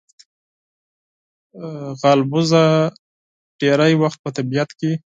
مچمچۍ ډېری وخت په طبیعت کې وي